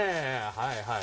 はいはい。